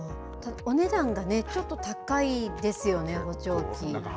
お値段がね、ちょっと高いですよね、補聴器。